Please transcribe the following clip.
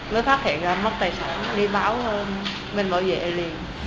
mới phát hiện mất tài sản đi báo mình bảo vệ liền